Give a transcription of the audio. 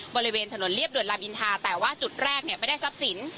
บริเวณถนนเรียบด่วนลามอินทาแต่ว่าจุดแรกเนี่ยไม่ได้ทรัพย์สิน